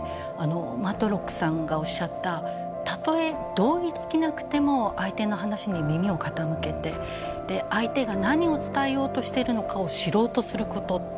マトロックさんがおっしゃったたとえ同意できなくても相手の話に耳を傾けて相手が何を伝えようとしているのかを知ろうとすること。